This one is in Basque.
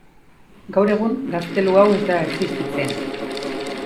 Gaur egun gaztelu hau ez da existitzen.